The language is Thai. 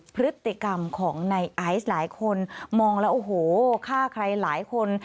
พฤติกรรมของในไอซ์หลายคนมองแล้วโอ้โหฆ่าใครหลายคน